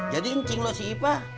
jadi ini cing lo si ipa